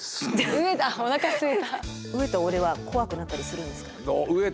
飢えた俺は怖くなったりするんですか？